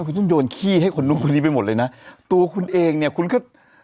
คุณต้องโยนขี้ให้คนนู้นคนนี้ไปหมดเลยนะตัวคุณเองเนี่ยคุณก็